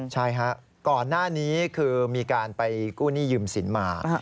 ใช่ฮะก่อนหน้านี้คือมีการไปกู้หนี้ยืมสินมา